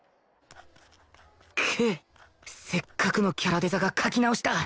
くっせっかくのキャラデザが描き直しだ